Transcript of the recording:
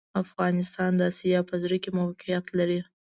افغانستان د اسیا په زړه کي موقیعت لري